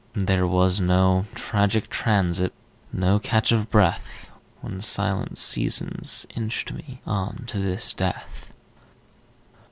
There was no tragic transit, No catch of breath, When silent seasons inched me On to this death